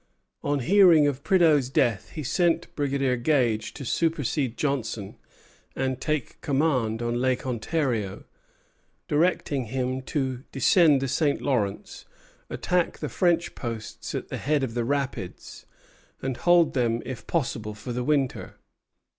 On hearing of Prideaux's death he sent Brigadier Gage to supersede Johnson and take command on Lake Ontario, directing him to descend the St. Lawrence, attack the French posts at the head of the rapids, and hold them if possible for the winter.